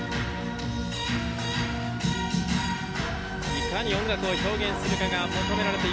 いかに音楽を表現するかが求められています。